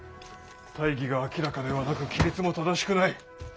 大義が明らかではなく規律も正しくない。